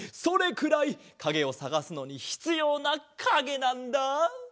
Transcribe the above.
それくらいかげをさがすのにひつようなかげなんだ！